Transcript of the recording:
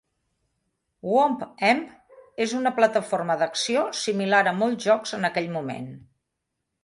"Whomp 'Em" és una plataforma d'acció, similar a molts jocs en aquell moment.